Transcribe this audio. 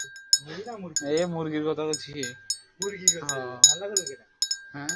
এটি সমাধি বা মোক্ষ নামেও পরিচিত।